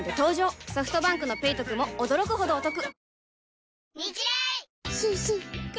ソフトバンクの「ペイトク」も驚くほどおトク